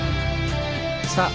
さあ